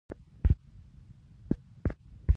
په ژوند کې یې خاص اصول درلودل.